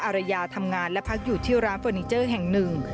ภรรยาทำงานและพักอยู่ที่ร้านเฟอร์นิเจอร์แห่งหนึ่ง